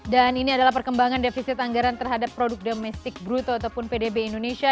dan ini adalah perkembangan defisit anggaran terhadap produk domestik bruto ataupun pdb indonesia